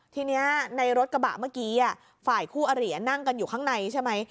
ทีนี้ในรถกระบะเมื่อกี้ฝ่ายคู่อริยนั่งกันอยู่ข้างในใช่ไหม